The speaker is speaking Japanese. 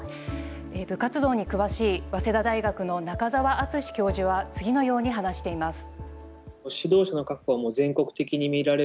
部活動に詳しい早稲田大学の中澤篤史教授は次のように話しています。